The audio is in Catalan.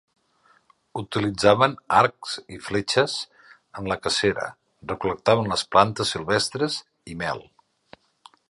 Utilitzaven arcs i fletxes en la cacera, recol·lectaven les plantes silvestres i mel.